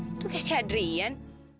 itu kakak si adrian